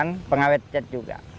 iya pengawet nge cet juga